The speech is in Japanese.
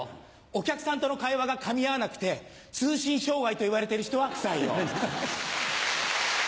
お客さんとの会話がかみ合わなくて通信障害といわれてる人は不採用。